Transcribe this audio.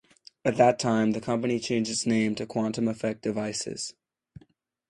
At that time, the company changed its name to Quantum Effect Devices.